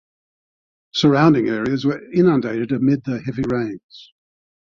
Surrounding areas were inundated amid the heavy rains.